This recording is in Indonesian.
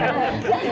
silakan pak komar